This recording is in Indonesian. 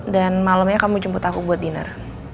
dan malemnya kamu jemput aku buat diner